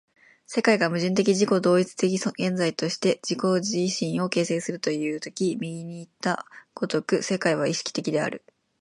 世界が矛盾的自己同一的現在として自己自身を形成するという時右にいった如く世界は意識的である。